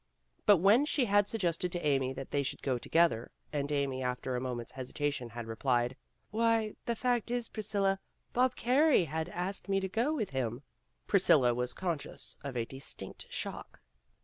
But when she had suggested to Amy that they should go together, and Amy after a moment's hesitation had re plied, "Why, the fact is, Priscilla, Bob Carey has asked me to go with him," Priscilla was conscious of a distinct shock.